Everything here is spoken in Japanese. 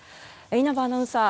稲葉アナウンサー